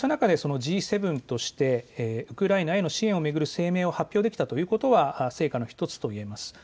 Ｇ７としてウクライナへの支援を巡る声明を発表できたことは成果の１つと言えます。